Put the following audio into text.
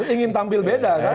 ingin tampil beda kan